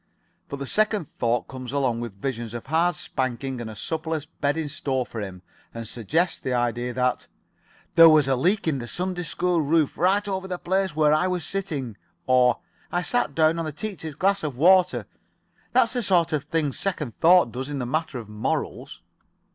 But second thought comes along with visions of hard spanking and a supperless bed in store for him, and suggests the idea that 'There was a leak in the Sunday school roof right over the place where I was sitting,' or, 'I sat down on the teacher's glass of water.' That's the sort of thing second thought does in the matter of morals.